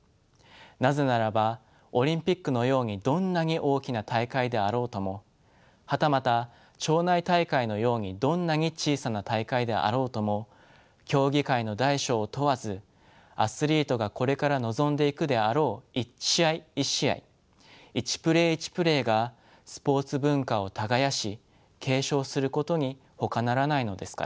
なぜならばオリンピックのようにどんなに大きな大会であろうともはたまた町内大会のようにどんなに小さな大会であろうとも競技会の大小を問わずアスリートがこれから臨んでいくであろう一試合一試合一プレー一プレーがスポーツ文化を耕し継承することにほかならないのですから。